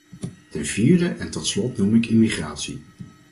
Ten vierde en tot slot noem ik immigratie.